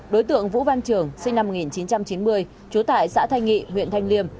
đối tượng vũ văn trường sinh năm một nghìn chín trăm chín mươi trú tại xã thanh nghị huyện thanh liêm